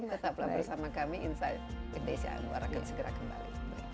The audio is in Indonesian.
tetaplah bersama kami insight with desi anwar akan segera kembali